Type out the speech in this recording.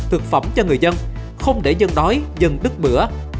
thực phẩm cho người dân không để dân đói dân đứt bữa